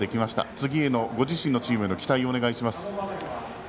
次へのご自身のチームへの期待をお願いします。